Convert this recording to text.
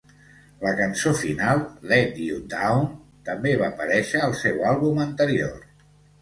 La cançó final, "Let You Down", també va aparèixer al seu àlbum anterior.